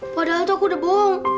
padahal tuh aku udah bohong